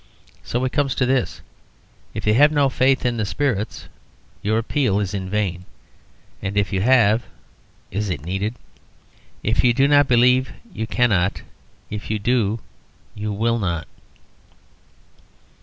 So it comes to this: If you have no faith in the spirits your appeal is in vain; and if you have is it needed? If you do not believe, you cannot. If you do you will not.